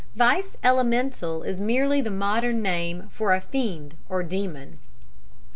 Vice elemental is merely the modern name for fiend or demon.